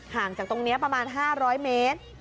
ห่างจากตรงเนี้ยประมาณห้าร้อยเมตร